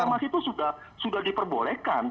karena reklamasinya sudah diperbolehkan